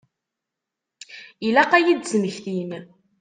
Ilaq ad iyi-d-smektin.